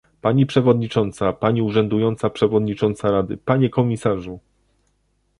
Pani przewodnicząca, pani urzędująca przewodnicząca Rady, panie komisarzu